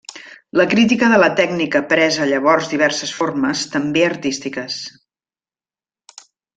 La crítica de la tècnica presa llavors diverses formes, també artístiques.